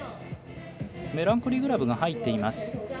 メランコリーグラブが入ってます。